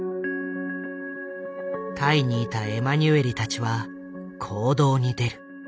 タイにいたエマニュエリたちは行動に出る。